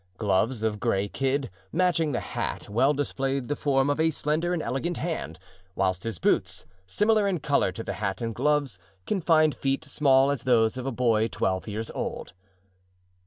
Gloves of gray kid, matching the hat, well displayed the form of a slender and elegant hand; whilst his boots, similar in color to the hat and gloves, confined feet small as those of a boy twelve years old.